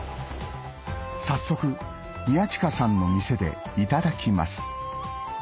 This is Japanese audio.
早速宮近さんの店でいただきます